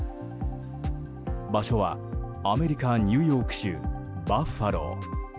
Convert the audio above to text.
場所は、アメリカニューヨーク州バッファロー。